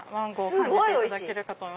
すごいおいしい！